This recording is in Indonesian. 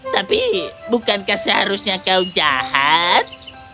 tapi bukankah seharusnya kau jahat